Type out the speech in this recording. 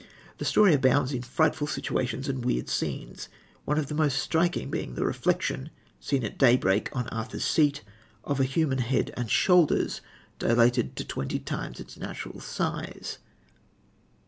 The story abounds in frightful situations and weird scenes, one of the most striking being the reflection, seen at daybreak on Arthur's Seat, of a human head and shoulders, dilated to twenty times its natural size.